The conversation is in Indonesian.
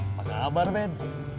apa kabar ben